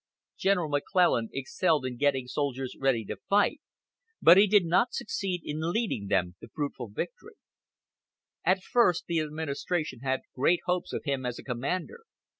General McClellan excelled in getting soldiers ready to fight, but he did not succeed in leading them to fruitful victory. At first the administration had great hopes of him as a commander.